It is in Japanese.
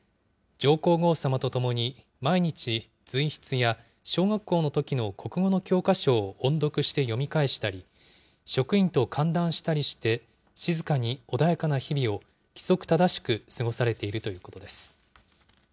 上皇后さまとともに毎日、随筆や小学校のときの国語の教科書を音読して読み返したり、職員と歓談したりして、静かに穏やかな日々を規則正しく過ごされているということです。